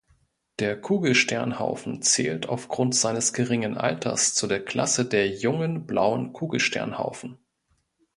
Der Kugelsternhaufen zählt aufgrund seines geringen Alters zu der Klasse der jungen blauen Kugelsternhaufen.